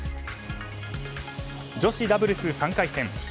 女子ダブルス３回戦。